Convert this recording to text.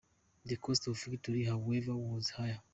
The cost of victory, however, was high.